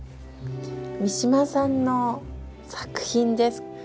三島さんの作品です。